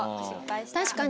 確かに。